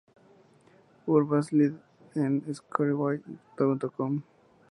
Úrvalsdeild en Soccerway.com